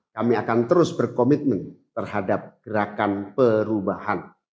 kami akan terus berkomitmen terhadap gerakan perubahan